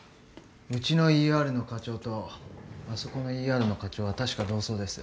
うちのＥＲの科長とあそこのＥＲの科長は確か同窓です。